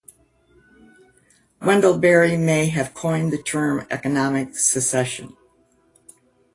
Wendell Berry may have coined the term economic secession.